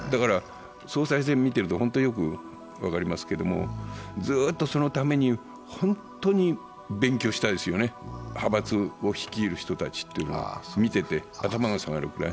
総裁選を見てると本当によく分かりますけれども、ずっとそのために本当に勉強しましたよね、派閥を率いる人たちというのは、見てて頭が下がるくらい。